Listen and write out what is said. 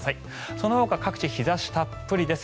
そのほか各地日差したっぷりです。